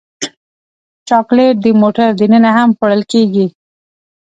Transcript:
چاکلېټ د موټر دننه هم خوړل کېږي.